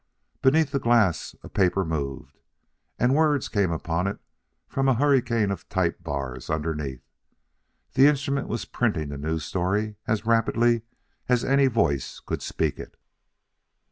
Beneath a glass a paper moved, and words came upon it from a hurricane of type bars underneath. The instrument was printing the news story as rapidly as any voice could speak it.